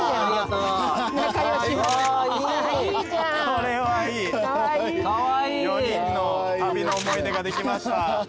これはいい４人の旅の思い出ができました。